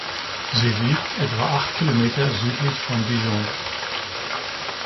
Sie liegt etwa acht Kilometer südlich von Dijon.